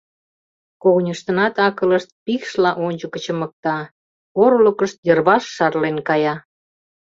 Когыньыштынат акылышт пикшла ончыко чымыкта, порылыкышт йырваш шарлен кая.